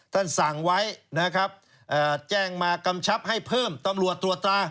ท่านสั่งไว้แจ้งมากำชับให้เพิ่มตำรวจตรวจตา